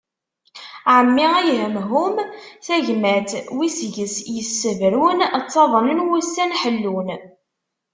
Ɛemmi ay hemhum, tagmat wi seg-s yessebrun, ttaḍnen wussan ḥellun.